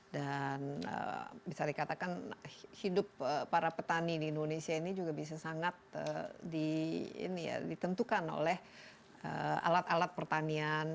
dan bisa dikatakan hidup para petani di indonesia ini juga bisa sangat ditentukan oleh alat alat pertanian